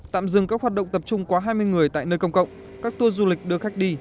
tạm dừng các hoạt động tập trung quá hai mươi người tại nơi công cộng các tour du lịch đưa khách đi